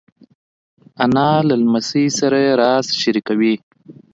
انا له لمسۍ سره راز شریکوي